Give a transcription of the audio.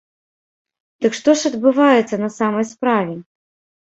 Дык што ж адбываецца на самай справе?